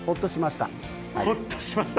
ほっとしました。